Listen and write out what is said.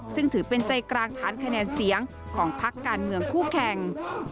ซึ่งถือเป็นใจกลางฐานคะแนนเสียงของพักการเมืองคู่แข่ง